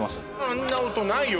あんな音ないよ